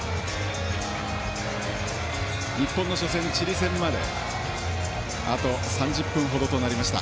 日本の初戦、チリ戦まであと３０分ほどとなりました。